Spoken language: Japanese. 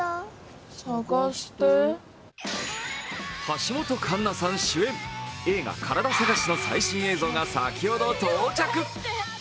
橋本環奈さん主演映画「カラダ探し」の最新映像が先ほど到着。